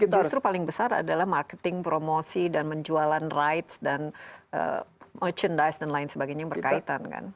justru paling besar adalah marketing promosi dan menjualan rights dan merchandise dan lain sebagainya yang berkaitan kan